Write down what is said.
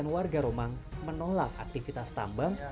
warga romang menolak aktivitas tambang